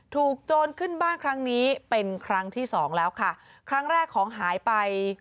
โจรขึ้นบ้านครั้งนี้เป็นครั้งที่สองแล้วค่ะครั้งแรกของหายไป